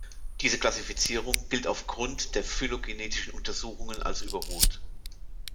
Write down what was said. Diese Klassifizierung gilt auf Grund von phylogenetischen Untersuchungen als überholt.